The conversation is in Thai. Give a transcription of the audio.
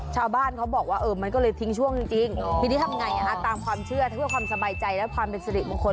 ชาวบ้านเขาบอกว่ามันก็เลยทิ้งช่วงจริงทีนี้ทำไงตามความเชื่อทั้งเพื่อความสบายใจและความเป็นสิริมงคล